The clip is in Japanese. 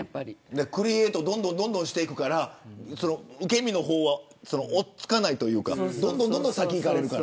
どんどんクリエイトしていくから受け身の方はおっつかないというか、どんどん先いかれる。